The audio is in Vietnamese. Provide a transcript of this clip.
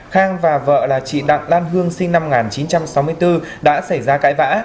khang và vợ là chị đặng lan hương sinh năm một nghìn chín trăm sáu mươi bốn đã xảy ra cãi vã